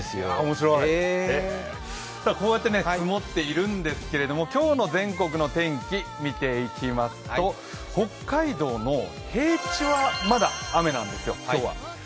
こうやって積もっているんですけれども今日の全国の天気見ていきますと、北海道の平地はまだ雨なんですよ、今日は。